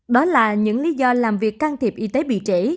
đó là những lý do làm việc can thiệp y tế bị trễ